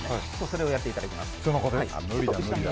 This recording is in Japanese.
それをやっていただきます。